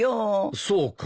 そうか。